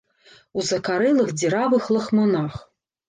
У закарэлых дзіравых лахманах.